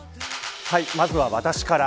まずは私から。